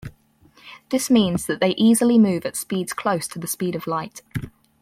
This means that they easily move at speeds close to the speed of light.